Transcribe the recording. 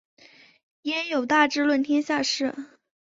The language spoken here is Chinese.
焉有大智论天下事！